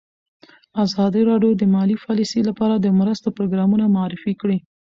ازادي راډیو د مالي پالیسي لپاره د مرستو پروګرامونه معرفي کړي.